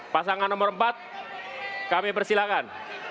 pasangan nomor empat kami persilakan